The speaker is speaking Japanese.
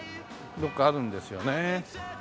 どこかあるんですよねえ。